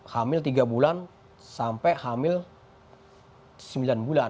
hamil tiga bulan sampai hamil sembilan bulan